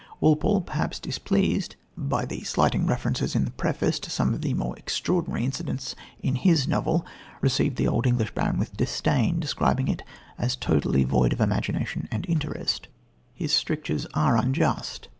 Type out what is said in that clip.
Walpole, perhaps displeased by the slighting references in the preface to some of the more extraordinary incidents in his novel, received The Old English Baron with disdain, describing it as "totally void of imagination and interest." His strictures are unjust.